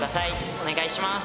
お願いします。